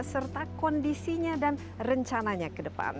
serta kondisinya dan rencananya ke depan